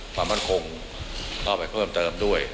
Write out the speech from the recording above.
ความมั่นคงเข้าไปเพิ่มเติมด้วย